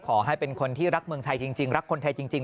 ขอให้เป็นคนที่รักเมืองไทยจริงรักคนไทยจริง